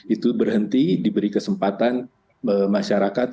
itu berhenti diberi kesempatan masyarakat